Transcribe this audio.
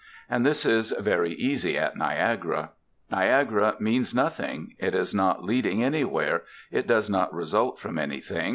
And this is very easy at Niagara. Niagara means nothing. It is not leading anywhere. It does not result from anything.